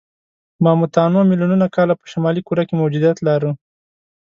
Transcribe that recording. ماموتانو میلیونونه کاله په شمالي کره کې موجودیت لاره.